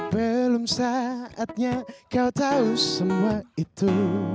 belum saatnya kau tahu semua itu